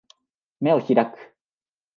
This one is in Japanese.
眼を開く